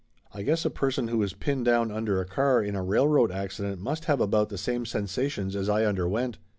I guess a person who is pinned down under a car in a railroad accident must have about the same sensations as I underwent.